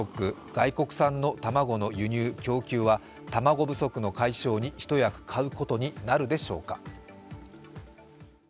外国産の卵の輸入・供給は卵不足の解消に一役買うことになるのでしょうか。